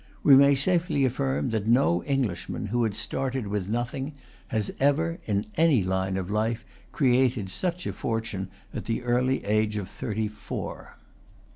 We may safely affirm that no Englishman who started with nothing has ever, in any line of life, created such a fortune at the early age of thirty four.